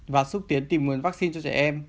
và xúc tiến tìm nguồn vaccine cho trẻ em